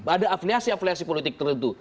ada afiliasi afliasi politik tertentu